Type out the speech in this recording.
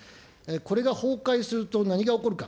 これが崩壊すると何が起こるか。